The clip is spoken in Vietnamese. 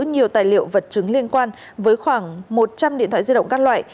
nhiều tài liệu vật chứng liên quan với khoảng một trăm linh điện thoại di động các loại